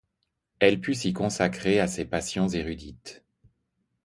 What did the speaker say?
Elle put s'y consacrer à ses passions érudites.